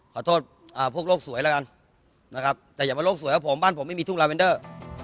ขอโทษพวกโลกสวยแล้วกันนะครับแต่อย่ามาโลกสวยครับผมบ้านผมไม่มีทุ่งลาเวนเดอร์